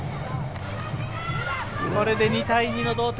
これで２対２の同点。